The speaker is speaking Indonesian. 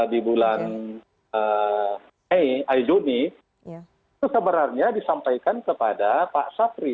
di bulan mei juni itu sebenarnya disampaikan kepada pak sapri